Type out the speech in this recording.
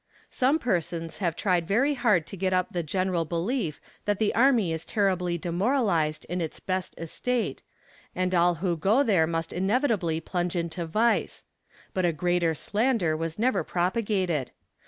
Some persons have tried very hard to get up the general belief that the army is terribly demoralized in its best estate, and all who go there must inevitably plunge into vice; but a greater slander was never propagated.